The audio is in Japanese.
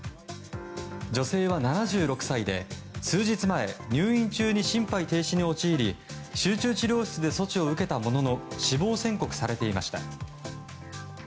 女性は７６歳で、数日前入院中に心肺停止に陥り集中治療室で措置を受けたものの死亡宣告されていました。